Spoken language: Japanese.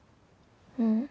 うん。